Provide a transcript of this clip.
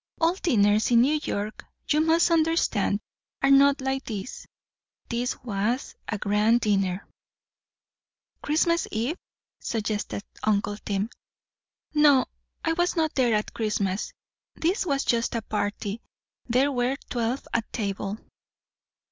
"All dinners in New York, you must understand, are not like this; this was a grand dinner." "Christmas eve?" suggested uncle Tim. "No. I was not there at Christmas; this was just a party. There were twelve at table.